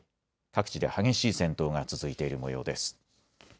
各地で激しい戦闘が続いているもようです。